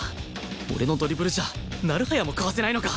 俺のドリブルじゃ成早もかわせないのか？